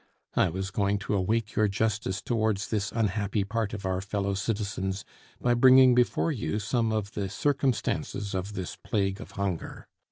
I was going to awake your justice towards this unhappy part of our fellow citizens by bringing before you some of the circumstances of this plague of hunger.